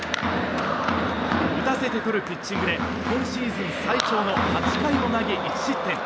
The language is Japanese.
打たせてとるピッチングで今シーズン最長の８回を投げ１失点。